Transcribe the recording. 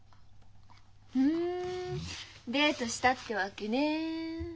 あふんデートしたってわけね。